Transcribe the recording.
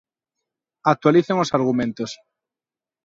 Actualicen os argumentos.